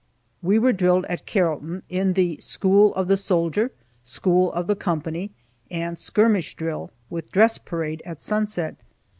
We were drilled at Carrollton in the "school of the soldier," "school of the company," and skirmish drill, with dress parade at sunset.